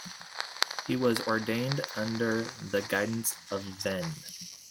He was ordained under the guidance of Ven.